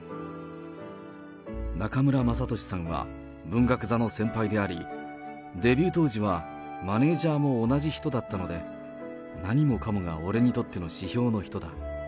中村雅俊さんは文学座の先輩であり、デビュー当時は、マネージャーも同じ人だったので、何もかもが俺にとっての指標の人だ。